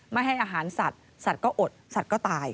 ไม่ให้อาหารสัตว์สัตว์ก็อดสัตว์ก็ตาย